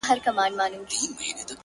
ټول لښکر مي ستا په واک کي درکومه!